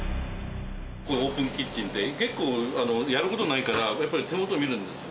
こういうオープンキッチンで、結構やることないから、やっぱり手元見るんですよ。